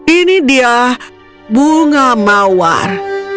ini dia bunga mawar